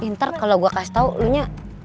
ntar kalau gua kasih tau lo nya